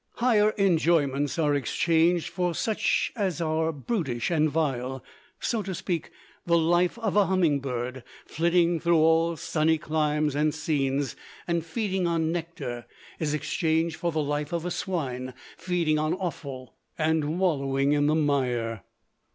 Higher enjoyments are exchanged for such as are brutish and vile, so to speak, the life of a humming bird, flitting through all sunny climes and scenes and feeding on nectar, is exchanged for the life of a swine, feeding on offal, and wallowing in the mire.